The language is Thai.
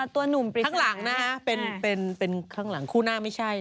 ทั้งหลังนะฮะคู่หน้าไม่ใช่